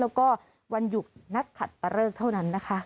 แล้วก็วันหยุดนักขัดตะเลิกเท่านั้นนะคะ